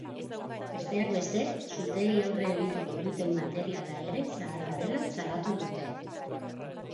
Besteak beste, suteei aurre egiteko duten materiala ere zaharra dela salatu dute.